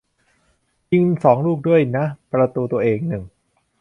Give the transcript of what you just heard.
ยิงสองลูกด้วยนะ ประตูตัวเองหนึ่ง